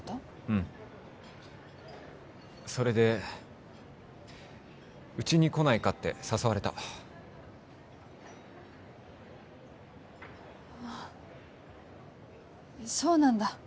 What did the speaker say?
うんそれでうちに来ないかって誘われたああそうなんだ